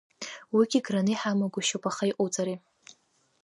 Уи граны иҳамагәышьоуп, аха иҟоуҵари!